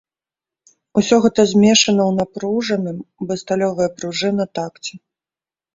Усё гэта змешана ў напружаным, бы сталёвая спружына, такце.